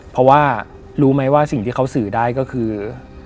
เพราะว่ารู้ไหมว่าสิ่งที่เขาสื่อได้ก็คือ